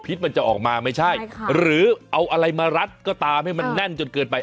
มันจะออกมาไม่ใช่หรือเอาอะไรมารัดก็ตามให้มันแน่นจนเกินไป